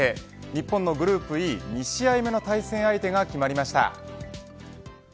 日本のグループＥ、２試合目の対戦相手が決まりました。